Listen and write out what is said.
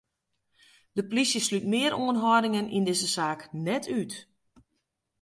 De polysje slút mear oanhâldingen yn dizze saak net út.